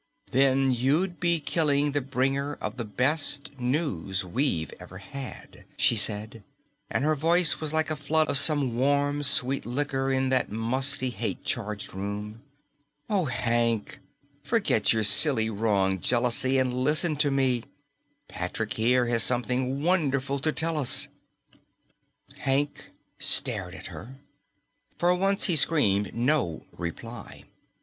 "Then you'd be killing the bringer of the best news we've ever had," she said, and her voice was like a flood of some warm sweet liquor in that musty, hate charged room. "Oh, Hank, forget your silly, wrong jealousy and listen to me. Patrick here has something wonderful to tell us." Hank stared at her. For once he screamed no reply.